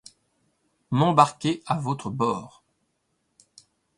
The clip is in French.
M’embarquer à votre bord.